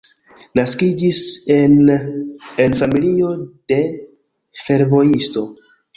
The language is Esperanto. Naskiĝis en en familio de fervojisto.